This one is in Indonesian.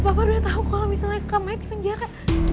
bapak udah tahu kalau misalnya kak mike di penjara